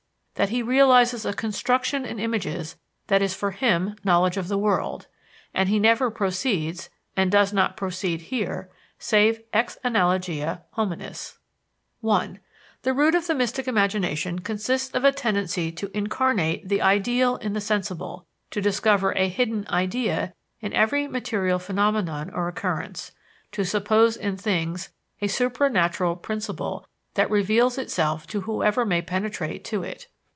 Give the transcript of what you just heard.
that he realizes a construction in images that is for him knowledge of the world; and he never proceeds, and does not proceed here, save ex analogia hominis. I The root of the mystic imagination consists of a tendency to incarnate the ideal in the sensible, to discover a hidden "idea" in every material phenomenon or occurrence, to suppose in things a supranatural principle that reveals itself to whoever may penetrate to it.